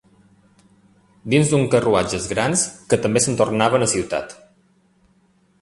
Dins d'uns carruatges grans, que també se'n tornaven a ciutat.